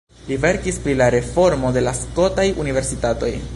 Li verkis pri la reformo de la skotaj universitatoj.